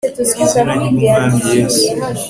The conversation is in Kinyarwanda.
izina ry umwami yesu